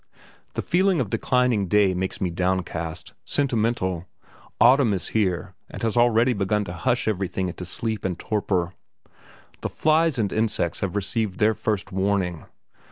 The feeling of declining day makes me downcast, sentimental; autumn is here, and has already begun to hush everything into sleep and torpor. The flies and insects have received their first warning.